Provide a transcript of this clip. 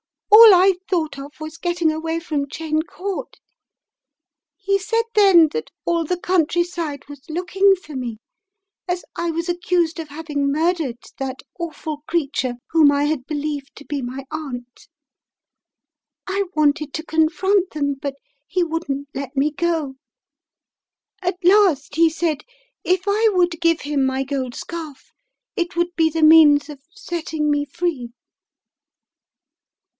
"All I thought of was getting away from Cheyne Court. He said then that all the countryside was looking for me as I was accused of having murdered that aw ful creature whom I had believed to be my aunt. I wanted to confront them, but he wouldn't let me go. At last he said if I would give him my gold scarf, it would be the means of setting me free.